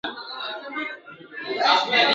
د ښوونکو جامې نه وي د چا تن کي !.